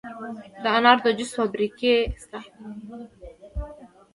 د انارو د جوس فابریکې شته.